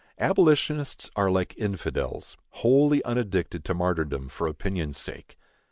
Abolitionists are like infidels, wholly unaddicted to martyrdom for opinion's sake.